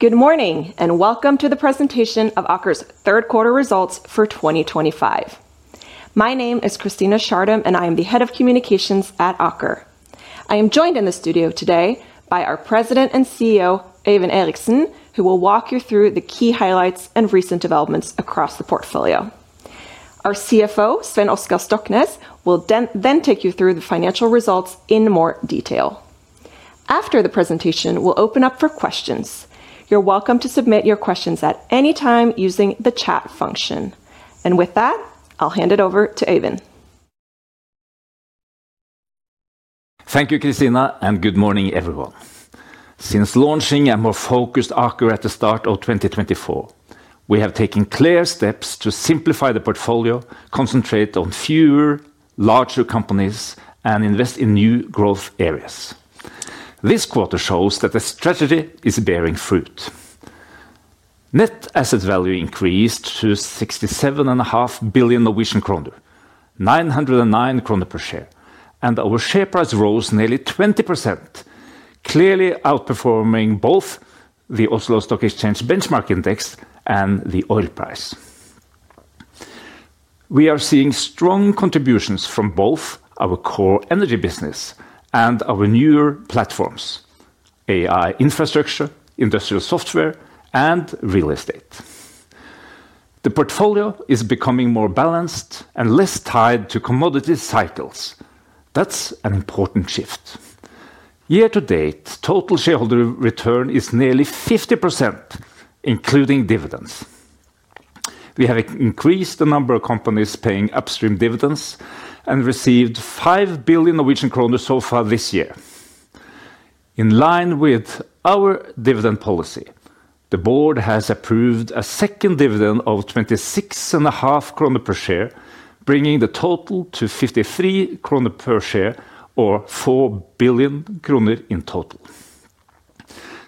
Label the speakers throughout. Speaker 1: Good morning and welcome to the presentation of Aker's third quarter results for 2025. My name is Christina Schartum and I am the Head of Communications at Aker. I am joined in the studio today by our President and CEO, Øyvind Eriksen, who will walk you through the key highlights and recent developments across the portfolio. Our CFO, Svein Oskar Stoknes, will then take you through the financial results in more detail. After the presentation, we'll open up for questions. You're welcome to submit your questions at any time using the chat function. With that, I'll hand it over to Øyvind.
Speaker 2: Thank you, Christina, and good morning, everyone. Since launching a more focused Aker at the start of 2024, we have taken clear steps to simplify the portfolio, concentrate on fewer, larger companies, and invest in new growth areas. This quarter shows that the strategy is bearing fruit. Net asset value increased to 67.5 billion Norwegian kroner, 909 kroner per share, and our share price rose nearly 20%. Clearly outperforming both the Oslo Stock Exchange Benchmark Index and the oil price. We are seeing strong contributions from both our core energy business and our newer platforms: AI infrastructure, industrial software, and real estate. The portfolio is becoming more balanced and less tied to commodity cycles. That is an important shift. Year to date, total shareholder return is nearly 50%, including dividends. We have increased the number of companies paying upstream dividends and received 5 billion Norwegian kroner so far this year. In line with our dividend policy, the board has approved a second dividend of 26.5 kroner per share, bringing the total to 53 kroner per share, or 4 billion kroner in total.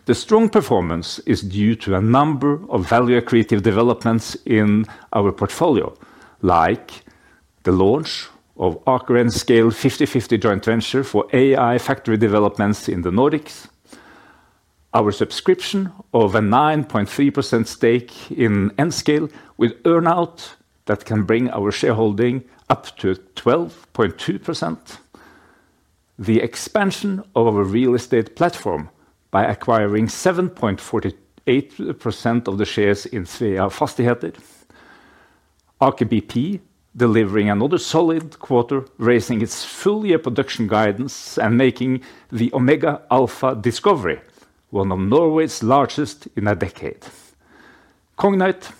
Speaker 2: The strong performance is due to a number of value-accretive developments in our portfolio, like the launch of Aker Enscale 50/50 joint venture for AI factory developments in the Nordics. Our subscription of a 9.3% stake in Enscale with earnout that can bring our shareholding up to 12.2%. The expansion of our real estate platform by acquiring 7.48% of the shares in Sveafastigheter. Aker BP delivering another solid quarter, raising its full-year production guidance and making the Omega Alpha discovery, one of Norway's largest in a decade. Cognite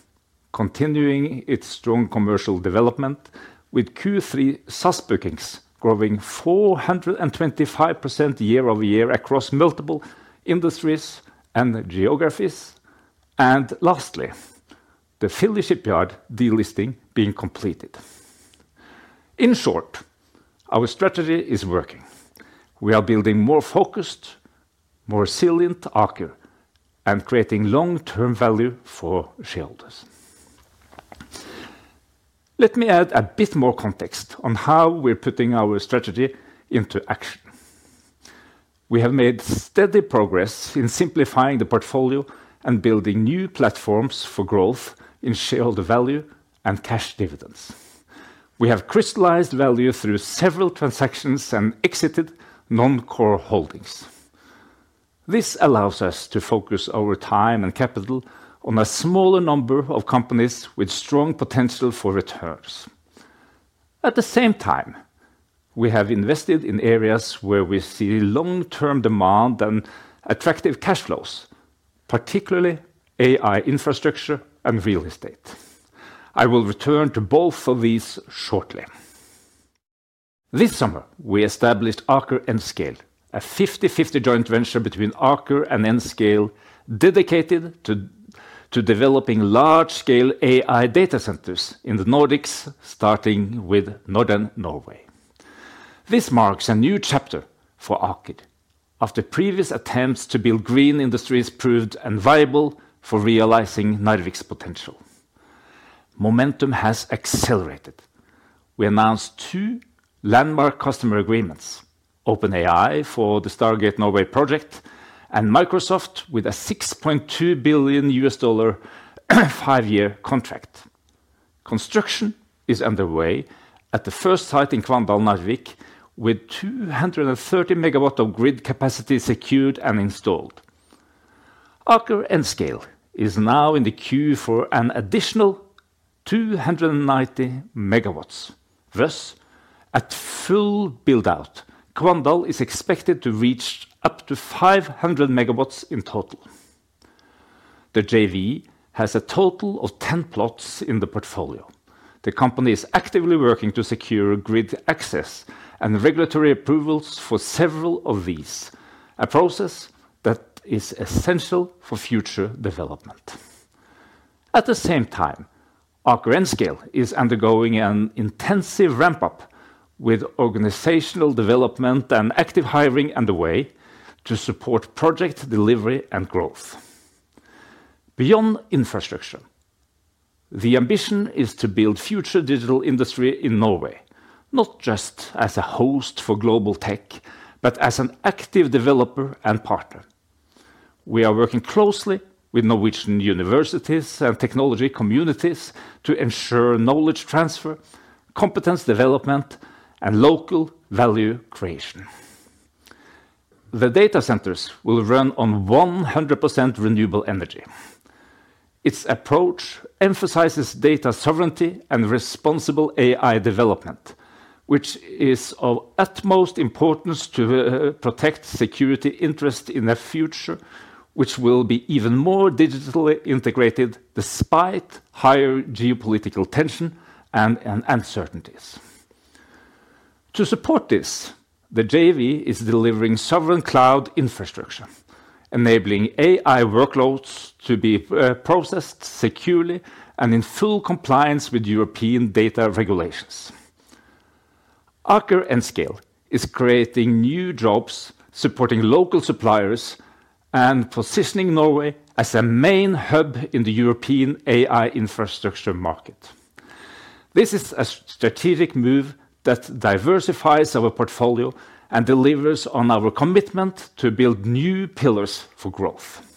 Speaker 2: continuing its strong commercial development with Q3 SaaS bookings growing 425% year-over-year across multiple industries and geographies. And lastly, the Philly Shipyard de-listing being completed. In short, our strategy is working. We are building a more focused, more resilient Aker, and creating long-term value for shareholders. Let me add a bit more context on how we are putting our strategy into action. We have made steady progress in simplifying the portfolio and building new platforms for growth in shareholder value and cash dividends. We have crystallized value through several transactions and exited non-core holdings. This allows us to focus our time and capital on a smaller number of companies with strong potential for returns. At the same time, we have invested in areas where we see long-term demand and attractive cash flows, particularly AI infrastructure and real estate. I will return to both of these shortly. This summer, we established Aker Enscale, a 50/50 joint venture between Aker and Enscale dedicated to developing large-scale AI data centers in the Nordics, starting with Northern Norway. This marks a new chapter for Aker. After previous attempts to build green industries proved unviable for realizing Narvik's potential, momentum has accelerated. We announced two landmark customer agreements: OpenAI for the Stargate Norway project and Microsoft with a $6.2 billion five-year contract. Construction is underway at the first site in Kvandal, Narvik, with 230 MW of grid capacity secured and installed. Aker Enscale is now in the queue for an additional 290 MW. Thus, at full build-out, Kvandal is expected to reach up to 500 MW in total. The JV has a total of 10 plots in the portfolio. The company is actively working to secure grid access and regulatory approvals for several of these, a process that is essential for future development. At the same time, Aker Enscale is undergoing an intensive ramp-up with organizational development and active hiring underway to support project delivery and growth. Beyond infrastructure, the ambition is to build future digital industry in Norway, not just as a host for global tech, but as an active developer and partner. We are working closely with Norwegian universities and technology communities to ensure knowledge transfer, competence development, and local value creation. The data centers will run on 100% renewable energy. Its approach emphasizes data sovereignty and responsible AI development, which is of utmost importance to protect security interests in the future, which will be even more digitally integrated despite higher geopolitical tension and uncertainties. To support this, the JV is delivering sovereign cloud infrastructure, enabling AI workloads to be processed securely and in full compliance with European data regulations. Aker Enscale is creating new jobs, supporting local suppliers, and positioning Norway as a main hub in the European AI infrastructure market. This is a strategic move that diversifies our portfolio and delivers on our commitment to build new pillars for growth.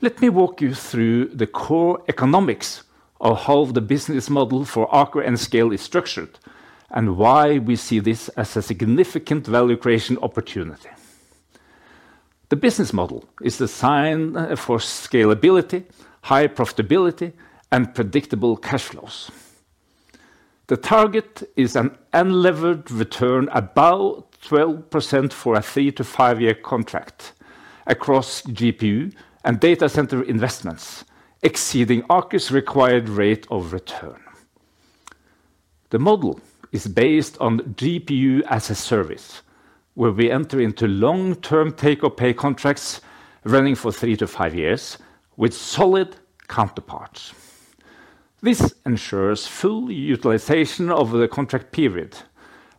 Speaker 2: Let me walk you through the core economics of how the business model for Aker Enscale is structured and why we see this as a significant value creation opportunity. The business model is designed for scalability, high profitability, and predictable cash flows. The target is an unlevered return at about 12% for a three- to five-year contract across GPU and data center investments, exceeding Aker's required rate of return. The model is based on GPU as a service, where we enter into long-term take-or-pay contracts running for three to five years with solid counterparts. This ensures full utilization of the contract period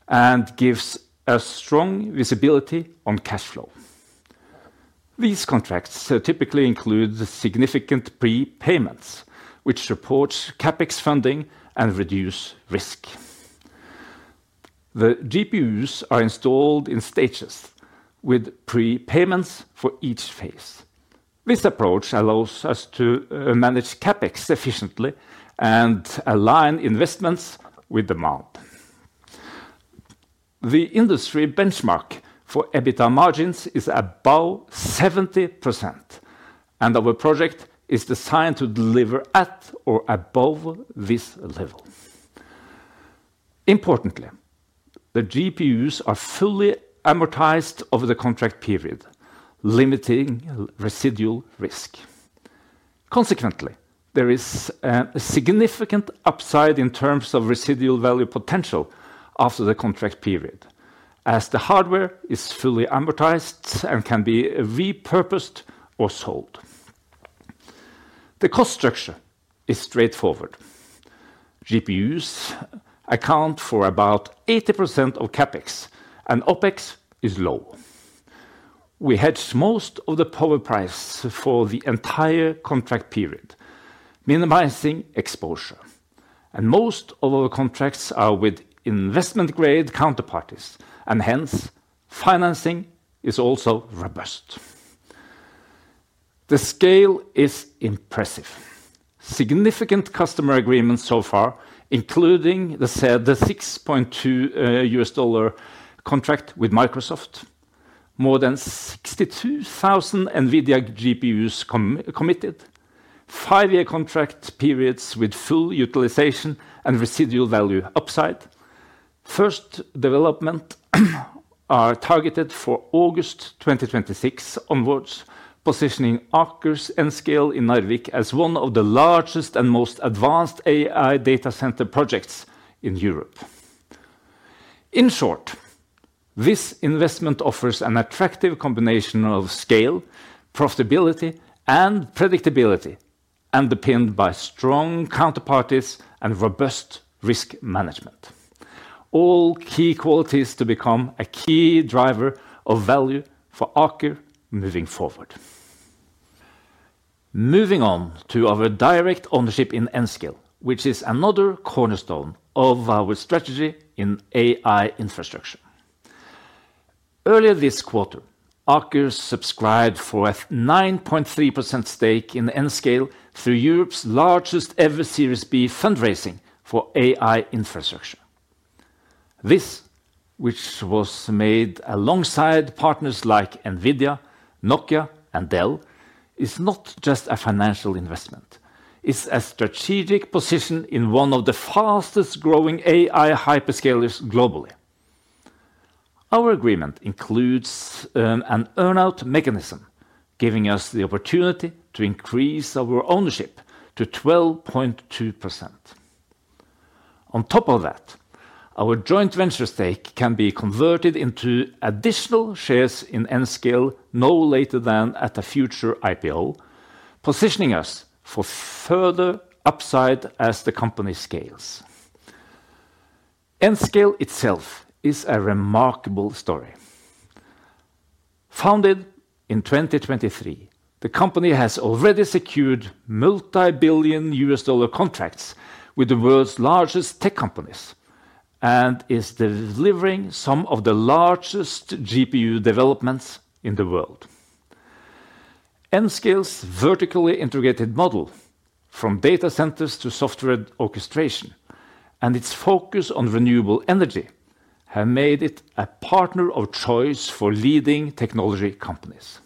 Speaker 2: and gives a strong visibility on cash flow. These contracts typically include significant prepayments, which support CapEx funding and reduce risk. The GPUs are installed in stages with prepayments for each phase. This approach allows us to manage CapEx efficiently and align investments with demand. The industry benchmark for EBITDA margins is above 70%, and our project is designed to deliver at or above this level. Importantly, the GPUs are fully amortized over the contract period, limiting residual risk. Consequently, there is a significant upside in terms of residual value potential after the contract period, as the hardware is fully amortized and can be repurposed or sold. The cost structure is straightforward. GPUs account for about 80% of CapEx, and OpEx is low. We hedge most of the power price for the entire contract period. Minimizing exposure. And most of our contracts are with investment-grade counterparties, and hence financing is also robust. The scale is impressive. Significant customer agreements so far, including the $6.2 billion contract with Microsoft, more than 62,000 NVIDIA GPUs committed. Five-year contract periods with full utilization and residual value upside. First developments are targeted for August 2026 onwards, positioning Aker's Enscale in Narvik as one of the largest and most advanced AI data center projects in Europe. In short, this investment offers an attractive combination of scale, profitability, and predictability, underpinned by strong counterparties and robust risk management. All key qualities to become a key driver of value for Aker moving forward. Moving on to our direct ownership in Enscale, which is another cornerstone of our strategy in AI infrastructure. Earlier this quarter, Aker subscribed for a 9.3% stake in Enscale through Europe's largest ever Series B fundraising for AI Infrastructure. This, which was made alongside partners like NVIDIA, Nokia, and Dell, is not just a financial investment. It's a strategic position in one of the fastest-growing AI Hyperscalers globally. Our agreement includes an earnout mechanism, giving us the opportunity to increase our ownership to 12.2%. On top of that, our joint venture stake can be converted into additional shares in Enscale no later than at a future IPO, positioning us for further upside as the company scales. Enscale itself is a remarkable story. Founded in 2023, the company has already secured multi-billion dollar contracts with the world's largest tech companies and is delivering some of the largest GPU developments in the world. Enscale's vertically integrated model, from data centers to software orchestration, and its focus on renewable energy have made it a partner of choice for leading technology companies.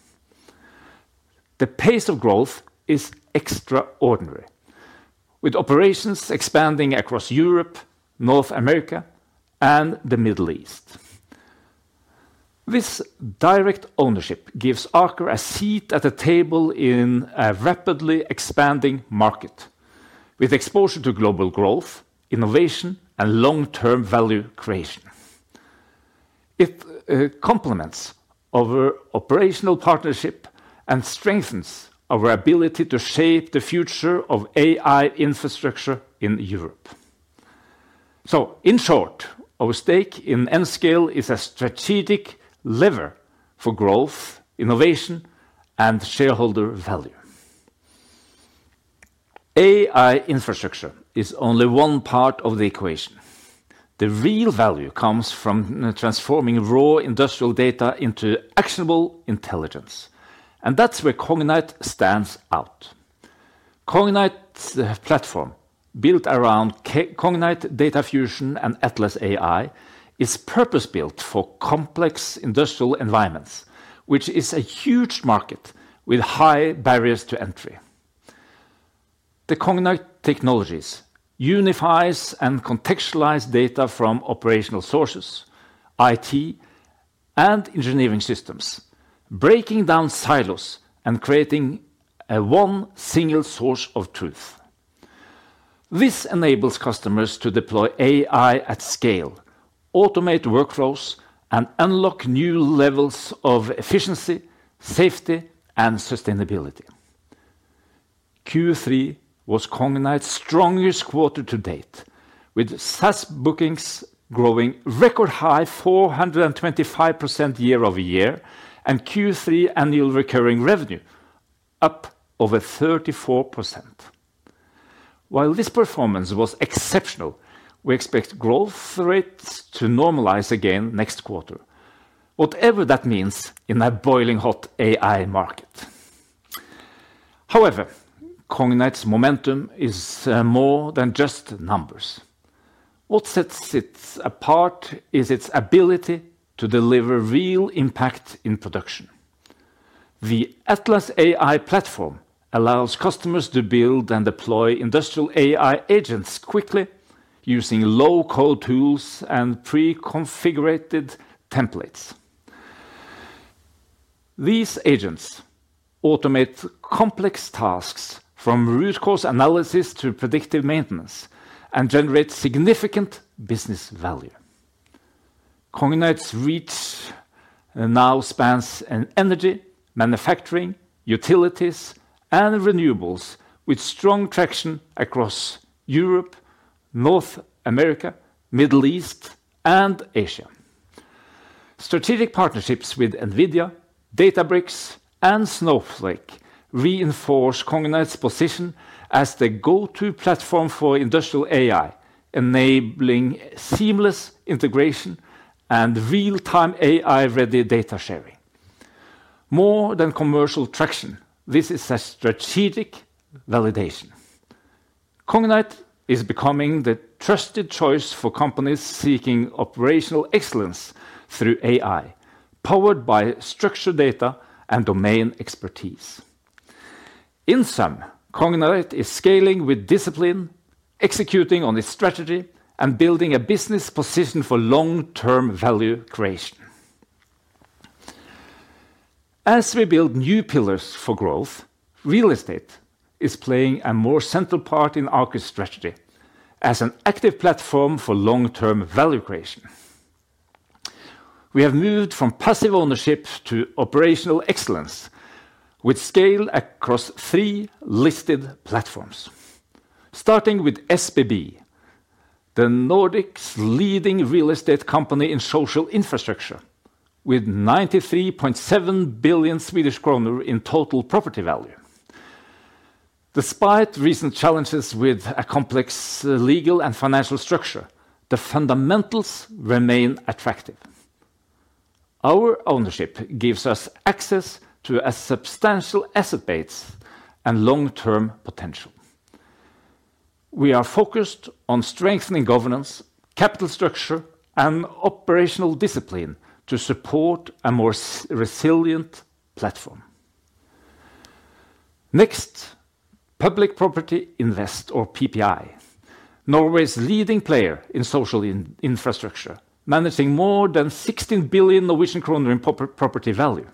Speaker 2: The pace of growth is extraordinary, with operations expanding across Europe, North America, and the Middle East. This direct ownership gives Aker a seat at the table in a rapidly expanding market, with exposure to global growth, innovation, and long-term value creation. It complements our operational partnership and strengthens our ability to shape the future of AI infrastructure in Europe. In short, our stake in Enscale is a strategic lever for growth, innovation, and shareholder value. AI infrastructure is only one part of the equation. The real value comes from transforming raw industrial data into actionable intelligence. That is where Cognite stands out. Cognite platform, built around Cognite Data Fusion and Atlas AI, is purpose-built for complex industrial environments, which is a huge market with high barriers to entry. The Cognite technologies unify and contextualize data from operational sources, IT, and engineering systems, breaking down silos and creating a one single source of truth. This enables customers to deploy AI at scale, automate workflows, and unlock new levels of efficiency, safety, and sustainability. Q3 was Cognite strongest quarter to date, with SaaS bookings growing record high, 425% year-over-year, and Q3 annual recurring revenue up over 34%. While this performance was exceptional, we expect growth rates to normalize again next quarter, whatever that means in a boiling hot AI market. However, Cognite momentum is more than just numbers. What sets it apart is its ability to deliver real impact in production. The Atlas AI platform allows customers to build and deploy industrial AI agents quickly using low-code tools and pre-configured templates. These agents automate complex tasks, from root cause analysis to predictive maintenance, and generate significant business value. Cognite reach now spans energy, manufacturing, utilities, and renewables, with strong traction across Europe, North America, the Middle East, and Asia. Strategic partnerships with NVIDIA, Databricks, and Snowflake reinforce Cognite position as the go-to platform for industrial AI, enabling seamless integration and real-time AI-ready data sharing. More than commercial traction, this is a strategic validation. Cognite is becoming the trusted choice for companies seeking operational excellence through AI, powered by structured data and domain expertise. In sum, Cognite is scaling with discipline, executing on its strategy, and building a business position for long-term value creation. As we build new pillars for growth, real estate is playing a more central part in Aker's strategy as an active platform for long-term value creation. We have moved from passive ownership to operational excellence, with scale across three listed platforms. Starting with SBB, the Nordic's leading real estate company in social infrastructure, with 93.7 billion Swedish kronor in total property value. Despite recent challenges with a complex legal and financial structure, the fundamentals remain attractive. Our ownership gives us access to a substantial asset base and long-term potential. We are focused on strengthening governance, capital structure, and operational discipline to support a more resilient platform. Next, Public Property Invest, or PPI, Norway's leading player in social infrastructure, managing more than 16 billion Norwegian kroner in property value.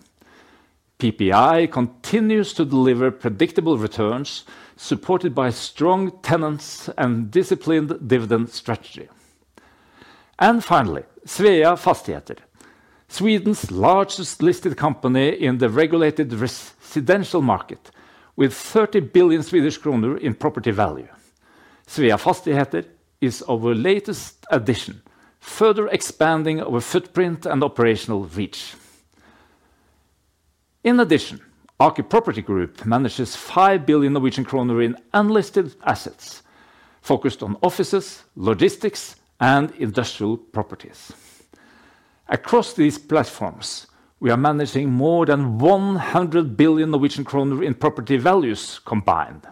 Speaker 2: PPI continues to deliver predictable returns, supported by strong tenants and a disciplined dividend strategy. Finally, Sveafastigheter, Sweden's largest listed company in the regulated residential market, with 30 billion Swedish kronor in property value. Sveafastigheter is our latest addition, further expanding our footprint and operational reach. In addition, Aker Property Group manages 5 billion Norwegian kroner in unlisted assets, focused on offices, logistics, and industrial properties. Across these platforms, we are managing more than 100 billion Norwegian kroner in property values combined.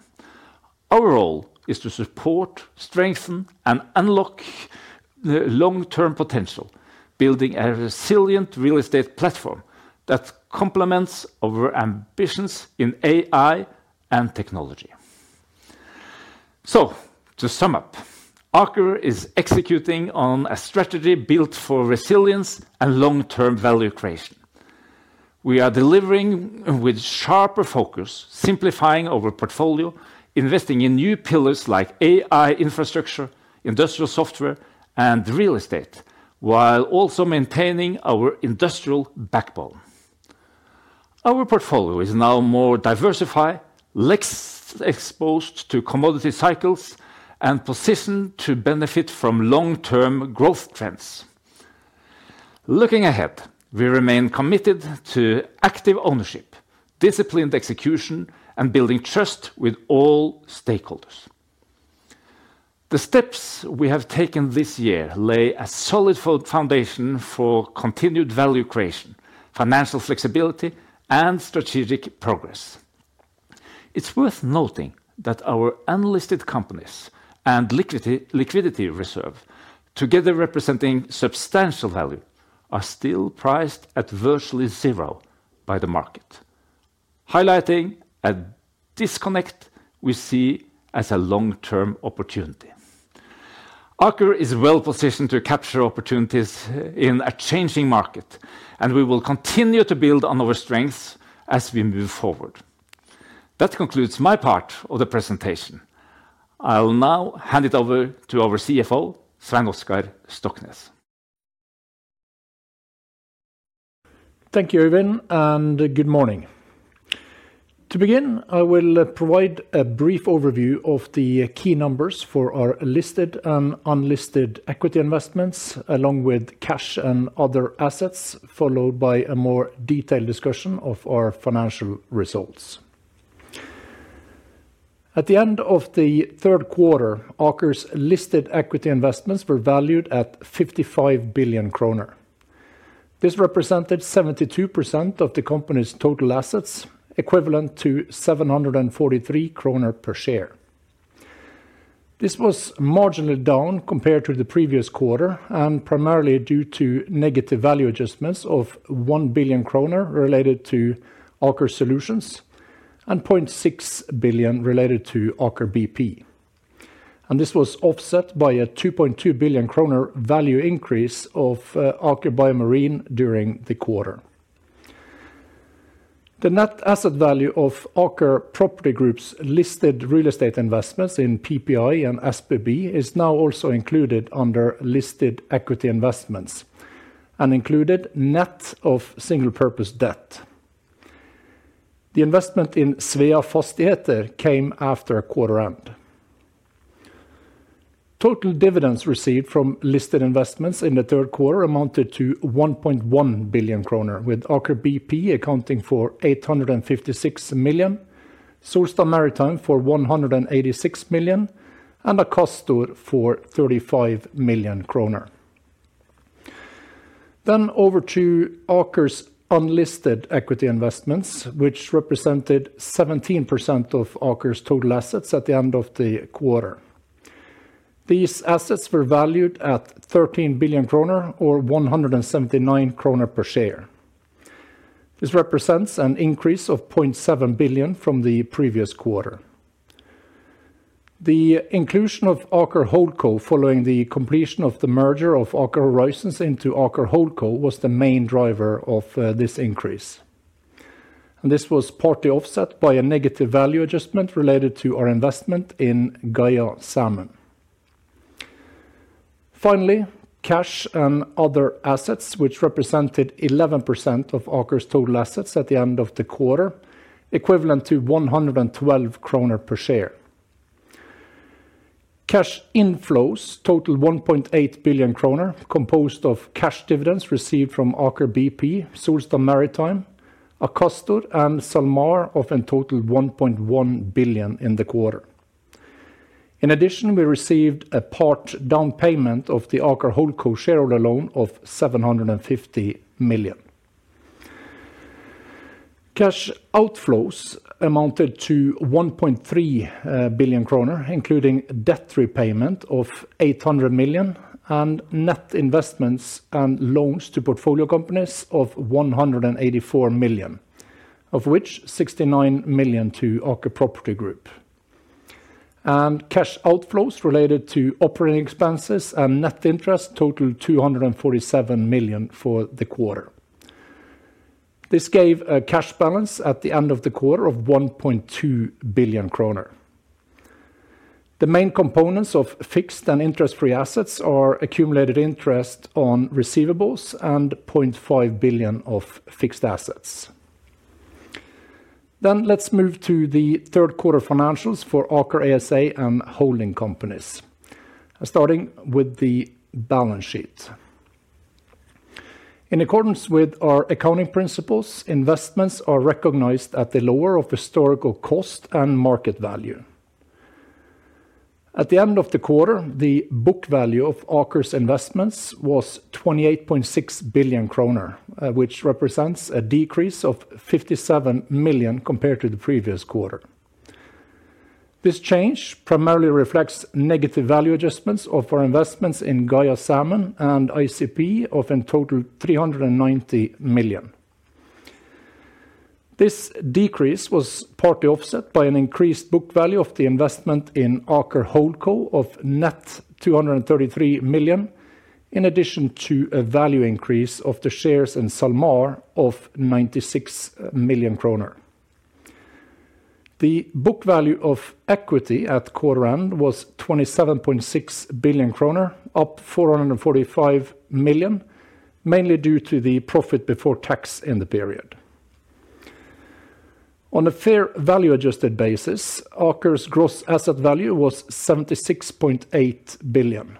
Speaker 2: Our role is to support, strengthen, and unlock the long-term potential, building a resilient real estate platform that complements our ambitions in AI and technology. To sum up, Aker is executing on a strategy built for resilience and long-term value creation. We are delivering with a sharper focus, simplifying our portfolio, investing in new pillars like AI infrastructure, industrial software, and real estate, while also maintaining our industrial backbone. Our portfolio is now more diversified, exposed to commodity cycles, and positioned to benefit from long-term growth trends. Looking ahead, we remain committed to active ownership, disciplined execution, and building trust with all stakeholders. The steps we have taken this year lay a solid foundation for continued value creation, financial flexibility, and strategic progress. It's worth noting that our unlisted companies and liquidity reserve, together representing substantial value, are still priced at virtually zero by the market. Highlighting a disconnect we see as a long-term opportunity. Aker is well positioned to capture opportunities in a changing market, and we will continue to build on our strengths as we move forward. That concludes my part of the presentation. I'll now hand it over to our CFO, Svein Oskar Stoknes.
Speaker 3: Thank you, Øyvind, and good morning. To begin, I will provide a brief overview of the key numbers for our listed and unlisted equity investments, along with cash and other assets, followed by a more detailed discussion of our financial results. At the end of the third quarter, Aker's listed equity investments were valued at 55 billion kroner. This represented 72% of the company's total assets, equivalent to 743 kroner per share. This was marginally down compared to the previous quarter, and primarily due to negative value adjustments of 1 billion kroner related to Aker Solutions and 0.6 billion related to Aker BP. This was offset by a 2.2 billion kroner value increase of Aker BioMarine during the quarter. The net asset value of Aker Property Group's listed real estate investments in PPI and SBB is now also included under listed equity investments and included net of single-purpose debt. The investment in Sveafastigheter came after quarter-end. Total dividends received from listed investments in the third quarter amounted to 1.1 billion kroner, with Aker BP accounting for 856 million, Solstad Maritime for 186 million, and Akastor for 35 million kroner. Over to Aker's unlisted equity investments, which represented 17% of Aker's total assets at the end of the quarter. These assets were valued at 13 billion kroner, or 179 kroner per share. This represents an increase of 0.7 billion from the previous quarter. The inclusion of Aker Holdco following the completion of the merger of Aker Horizons into Aker Holdco was the main driver of this increase. This was partly offset by a negative value adjustment related to our investment in Gaia Salmon. Finally, cash and other assets, which represented 11% of Aker's total assets at the end of the quarter, equivalent to 112 kroner per share. Cash inflows totaled 1.8 billion kroner, composed of cash dividends received from Aker BP, Solstad Maritime, Akastor, and SalMar, of a total of 1.1 billion in the quarter. In addition, we received a part down payment of the Aker Holdco shareholder loan of 750 million. Cash outflows amounted to 1.3 billion kroner, including debt repayment of 800 million and net investments and loans to portfolio companies of 184 million, of which 69 million to Aker Property Group. Cash outflows related to operating expenses and net interest totaled 247 million for the quarter. This gave a cash balance at the end of the quarter of 1.2 billion kroner. The main components of fixed and interest-free assets are accumulated interest on receivables and 0.5 billion of fixed assets. Let's move to the third quarter financials for Aker ASA and holding companies. Starting with the balance sheet. In accordance with our accounting principles, investments are recognized at the lower of historical cost and market value. At the end of the quarter, the book value of Aker's investments was 28.6 billion kroner, which represents a decrease of 57 million compared to the previous quarter. This change primarily reflects negative value adjustments of our investments in Gaia Salmon and ICP ASA, of a total of 390 million. This decrease was partly offset by an increased book value of the investment in Aker Holdco of net 233 million, in addition to a value increase of the shares in SalMar of 96 million kroner. The book value of equity at quarter-end was 27.6 billion kroner, up 445 million, mainly due to the profit before tax in the period. On a fair value-adjusted basis, Aker's gross asset value was 76.8 billion.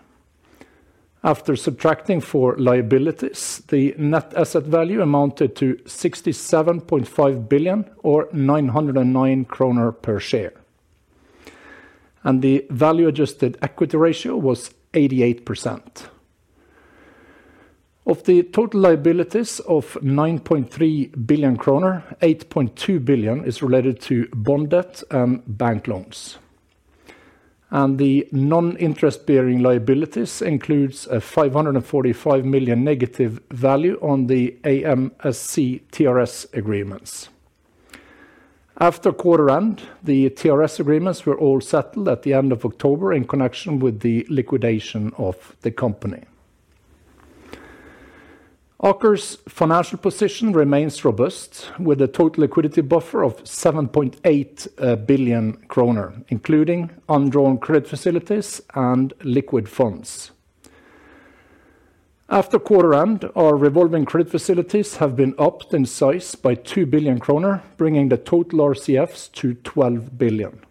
Speaker 3: After subtracting for liabilities, the net asset value amounted to 67.5 billion, or 909 kroner per share. The value-adjusted equity ratio was 88%. Of the total liabilities of 9.3 billion kroner, 8.2 billion is related to bond debt and bank loans. The non-interest-bearing liabilities include a 545 million negative value on the AMSC TRS agreements. After quarter-end, the TRS agreements were all settled at the end of October in connection with the liquidation of the company. Aker's financial position remains robust, with a total liquidity buffer of 7.8 billion kroner, including undrawn credit facilities and liquid funds. After quarter-end, our revolving credit facilities have been upped in size by 2 billion kroner, bringing the total RCFs to 12 billion.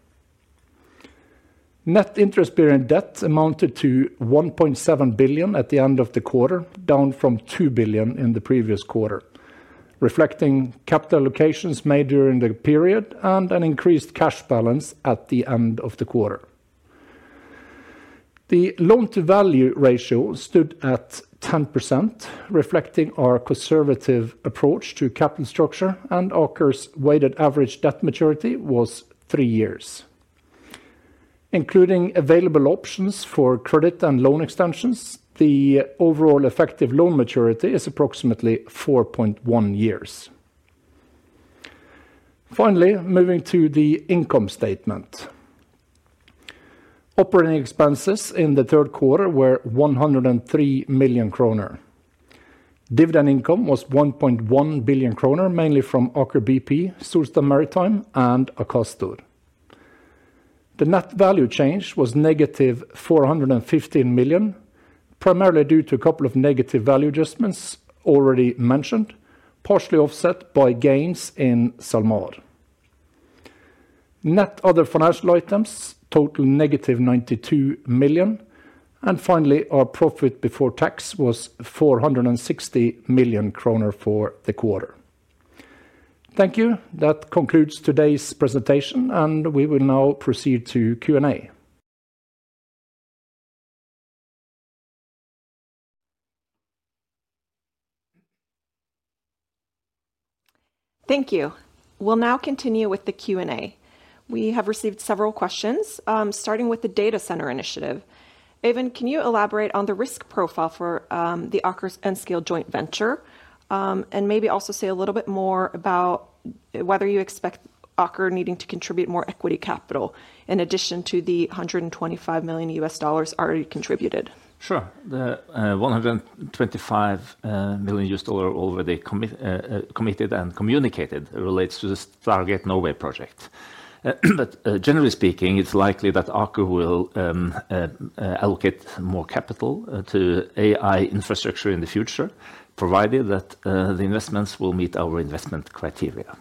Speaker 3: Net interest-bearing debt amounted to 1.7 billion at the end of the quarter, down from 2 billion in the previous quarter, reflecting capital allocations made during the period and an increased cash balance at the end of the quarter. The loan-to-value ratio stood at 10%, reflecting our conservative approach to capital structure, and Aker's weighted average debt maturity was three years. Including available options for credit and loan extensions, the overall effective loan maturity is approximately 4.1 years. Finally, moving to the income statement. Operating expenses in the third quarter were 103 million kroner. Dividend income was 1.1 billion kroner, mainly from Aker BP, Solstad Maritime, and Akastor. The net value change was negative 415 million, primarily due to a couple of negative value adjustments already mentioned, partially offset by gains in SalMar. Net other financial items totaled negative 92 million, and finally, our profit before tax was 460 million kroner for the quarter. Thank you. That concludes today's presentation, and we will now proceed to Q&A.
Speaker 1: Thank you. We'll now continue with the Q&A. We have received several questions, starting with the data center initiative. Øyvind, can you elaborate on the risk profile for the Aker Enscale joint venture. Maybe also say a little bit more about whether you expect Aker needing to contribute more equity capital in addition to the $125 million already contributed?
Speaker 2: Sure. The $125 million already committed and communicated relates to the Stargate Norway project. Generally speaking, it is likely that Aker will allocate more capital to AI infrastructure in the future, provided that the investments will meet our investment criteria.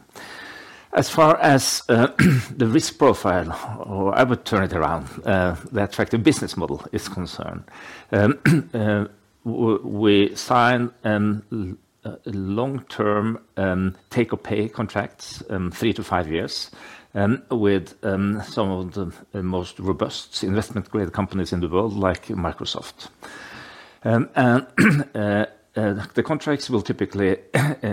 Speaker 2: As far as the risk profile, or I would turn it around, the attractive business model is concerned, we sign long-term take-or-pay contracts, three to five years, with some of the most robust investment-grade companies in the world, like Microsoft. The contracts will typically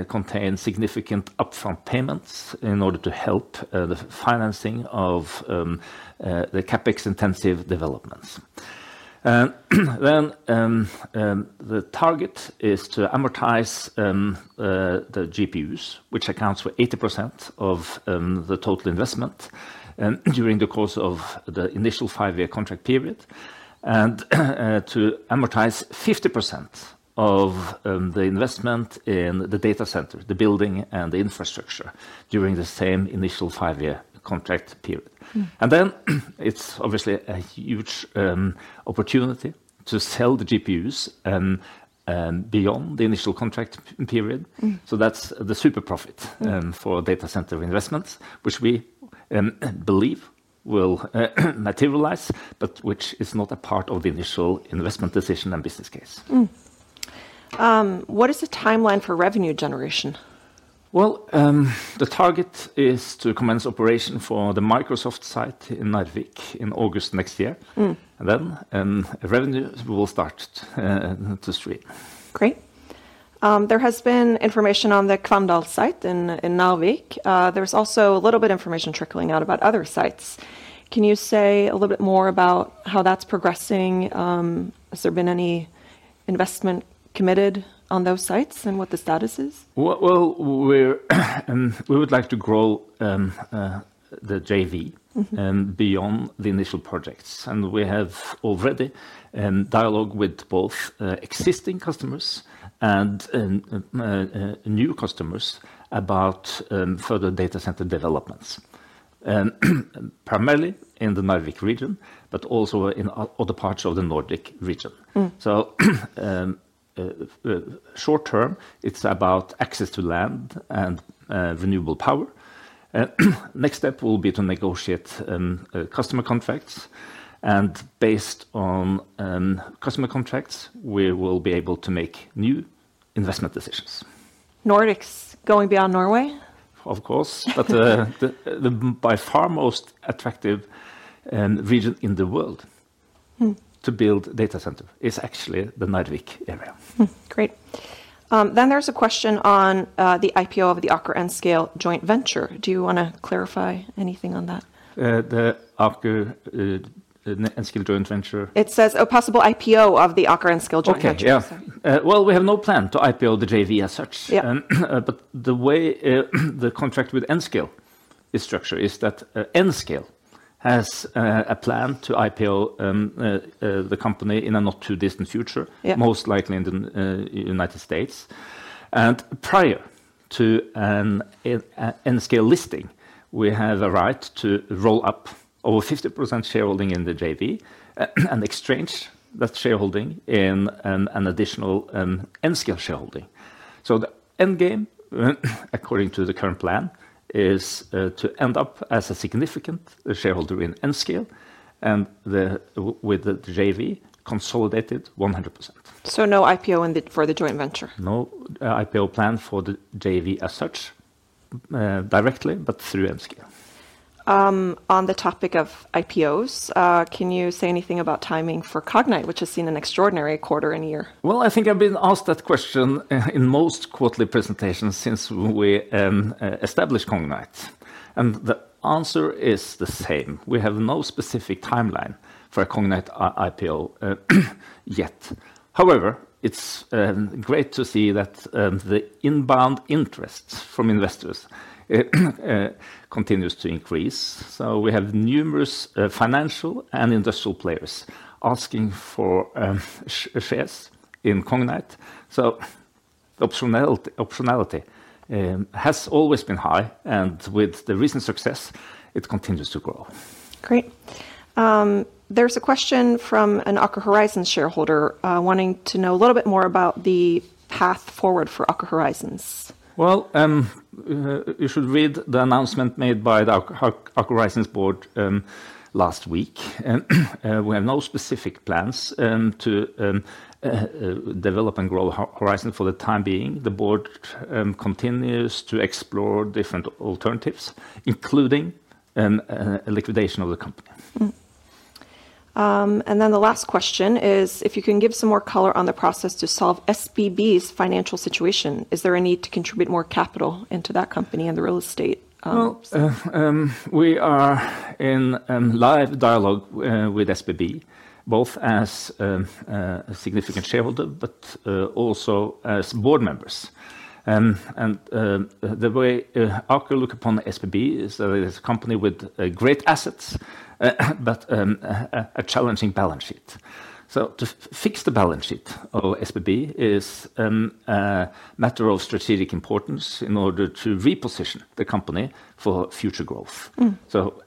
Speaker 2: contain significant upfront payments in order to help the financing of the CapEx-intensive developments. The target is to amortize the GPUs, which accounts for 80% of the total investment, during the course of the initial five-year contract period, and to amortize 50% of the investment in the data center, the building, and the infrastructure during the same initial five-year contract period. There is obviously a huge opportunity to sell the GPUs beyond the initial contract period. That is the super profit for data center investments, which we believe will materialize, but which is not a part of the initial investment decision and business case. What is the timeline for revenue generation? The target is to commence operation for the Microsoft site in Narvik in August next year. Revenues will start to stream.
Speaker 1: Great. There has been information on the Kvandal site in Narvik. There is also a little bit of information trickling out about other sites. Can you say a little bit more about how that is progressing? Has there been any investment committed on those sites and what the status is?
Speaker 2: We would like to grow the JV beyond the initial projects. We have already dialogued with both existing customers and new customers about further data center developments, primarily in the Narvik region, but also in other parts of the Nordic region. Short term, it is about access to land and renewable power. Next step will be to negotiate customer contracts. Based on customer contracts, we will be able to make new investment decisions. Nordics, going beyond Norway? Of course. The by far most attractive region in the world to build a data center is actually the Narvik area.
Speaker 1: Great. There is a question on the IPO of the Aker Enscale joint venture. Do you want to clarify anything on that?
Speaker 2: The Aker Enscale joint venture?
Speaker 1: It says a possible IPO of the Aker Enscale joint venture.
Speaker 2: Okay, yeah. We have no plan to IPO the JV as such. The way the contract with Enscale is structured is that Enscale has a plan to IPO the company in a not too distant future, most likely in the United States. Prior to an Enscale listing, we have a right to roll up over 50% shareholding in the JV and exchange that shareholding in an additional Enscale shareholding. The end game, according to the current plan, is to end up as a significant shareholder in Enscale with the JV consolidated 100%.
Speaker 1: No IPO for the joint venture?
Speaker 2: No IPO plan for the JV as such, directly, but through Enscale.
Speaker 1: On the topic of IPOs, can you say anything about timing for Cognite, which has seen an extraordinary quarter in a year?
Speaker 2: I think I have been asked that question in most quarterly presentations since we established Cognite, and the answer is the same. We have no specific timeline for a Cognite IPO yet. However, it is great to see that the inbound interest from investors continues to increase. We have numerous financial and industrial players asking for shares in Cognite. The optionality has always been high, and with the recent success, it continues to grow.
Speaker 1: There is a question from an Aker Horizons shareholder wanting to know a little bit more about the path forward for Aker Horizons.
Speaker 2: You should read the announcement made by the Aker Horizons board last week. We have no specific plans to develop and grow Horizons for the time being. The board continues to explore different alternatives, including a liquidation of the company.
Speaker 1: The last question is if you can give some more color on the process to solve SBB's financial situation. Is there a need to contribute more capital into that company and the real estate?
Speaker 2: We are in live dialogue with SBB, both as a significant shareholder but also as board members. The way Aker looks upon SBB is that it is a company with great assets, but a challenging balance sheet. To fix the balance sheet of SBB is a matter of strategic importance in order to reposition the company for future growth.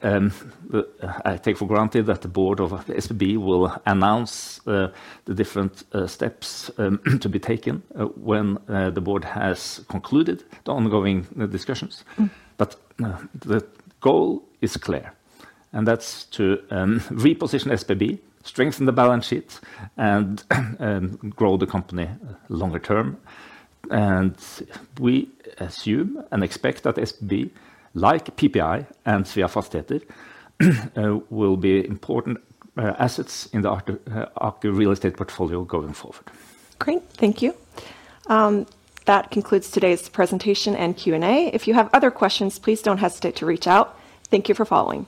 Speaker 2: I take for granted that the board of SBB will announce the different steps to be taken when the board has concluded the ongoing discussions. The goal is clear, and that is to reposition SBB, strengthen the balance sheet, and grow the company longer term. We assume and expect that SBB, like PPI and Sveafastigheter, will be important assets in the Aker real estate portfolio going forward.
Speaker 1: Thank you. That concludes today's presentation and Q&A. If you have other questions, please do not hesitate to reach out. Thank you for following us.